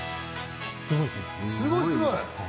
すごいすごい！